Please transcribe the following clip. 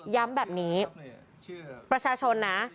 ย้ำแบบนี้ประชาชนนะ